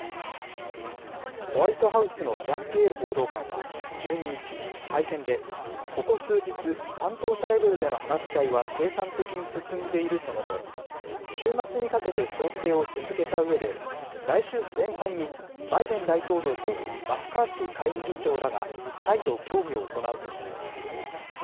ホワイトハウスのジャンピエール報道官は１２日、会見で、ここ数日、担当者レベルでの話し合いは生産的に進んでいると述べ、週末にかけて調整を続けたうえで、来週前半に、バイデン大統領とマッカーシー下院議長らが再度協議を行うとしています。